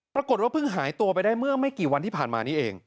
ปรากฏว่าเพิ่งหายตัวไปได้เมื่อไม่กี่วันที่ผ่านมานี้เอง